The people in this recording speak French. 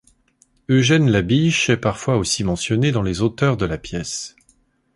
Eugène Labiche est parfois aussi mentionné dans les auteurs de la pièce.